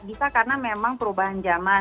bisa karena memang perubahan zaman